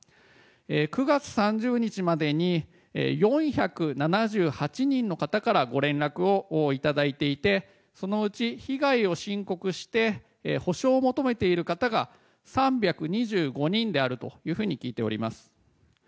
９月３０日までに４７８人の方からご連絡をいただいていてそのうち被害を申告して補償を求めている方が３２５人であるというふうに聞いております。